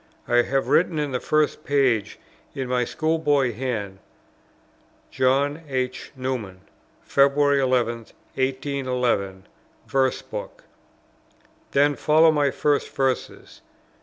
I have written in the first page, in my school boy hand, "John. H. Newman, February 11th, 1811, Verse Book;" then follow my first Verses.